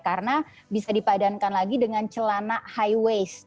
karena bisa dipadankan lagi dengan celana high waist